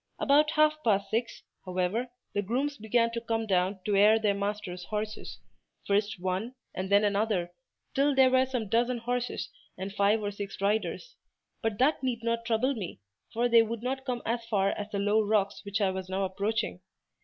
About half past six, however, the grooms began to come down to air their masters' horses—first one, and then another, till there were some dozen horses and five or six riders: but that need not trouble me, for they would not come as far as the low rocks which I was now approaching.